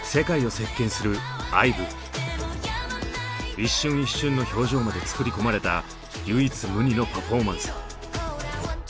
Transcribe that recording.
一瞬一瞬の表情まで作り込まれた唯一無二のパフォーマンス。